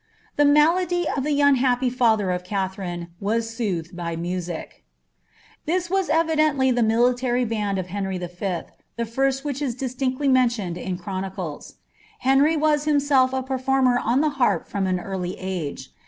The malady of the unhappy biher gf Katheriiie was soothed by music. This was evidently ihe military band of Henry V., the first whi^ a i!i«tinctly mentioned in chronicles. . Henry was himself a pecfomier oa the harp from an early age.